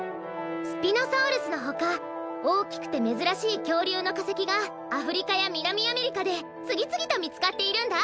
スピノサウルスのほかおおきくてめずらしいきょうりゅうのかせきがアフリカやみなみアメリカでつぎつぎとみつかっているんだ！